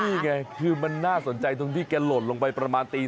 นี่ไงคือมันน่าสนใจการหล่นลงไปประมาณตี๓